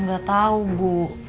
gak tau bu